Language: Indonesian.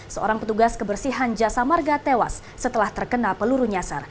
seorang petugas kebersihan jasa marga tewas setelah terkena peluru nyasar